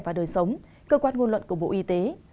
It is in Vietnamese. và đời sống cơ quan ngôn luận của bộ y tế